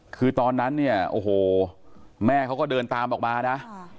คือตอนนั้นเนี่ยโอ้โหแม่เขาก็เดินตามออกมานะ